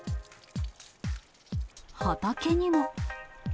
畑にも。